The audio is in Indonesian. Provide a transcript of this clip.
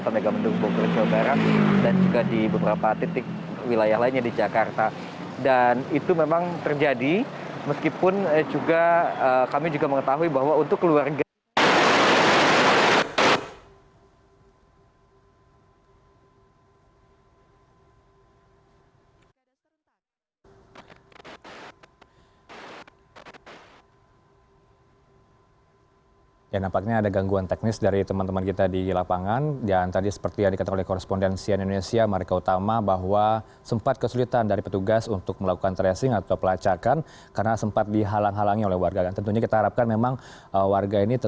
seperti di mokto megamendung bogor jogara dan juga di beberapa titik wilayah lainnya di jakarta